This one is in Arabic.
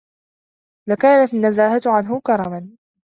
لَكَانَتْ النَّزَاهَةُ عَنْهُ كَرَمًا